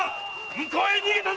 向こうへ逃げたぞ！